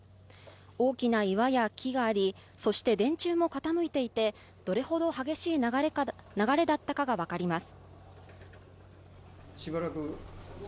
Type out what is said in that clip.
大きな岩や木があり電柱が倒れていてどれほど激しい流れだったかが分かります。